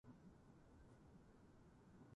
弥生時代は水耕栽培で行う稲作が日本全国に広まりました。